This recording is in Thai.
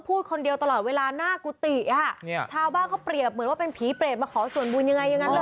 พูดคนเดียวตลอดเวลาหน้ากุฏิอ่ะเนี่ยชาวบ้านเขาเปรียบเหมือนว่าเป็นผีเปรตมาขอส่วนบุญยังไงอย่างนั้นเลย